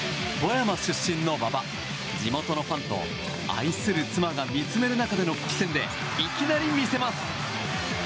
富山出身の馬場地元のファンと愛する妻が見つめる中での復帰戦でいきなり見せます。